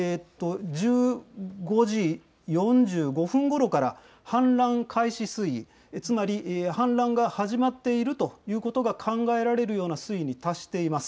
１５時４５分ごろから、氾濫開始水位、つまり氾濫が始まっているということが考えられるような水位に達しています。